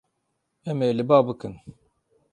Em ê li ba bikin.